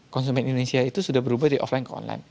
konsumen indonesia itu sudah berubah dari offline ke online